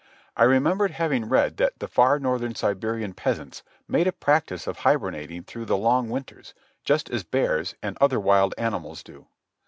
I remembered having read that the far northern Siberian peasants made a practice of hibernating through the long winters just as bears and other wild animals do.